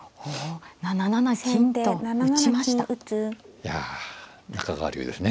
いや中川流ですね。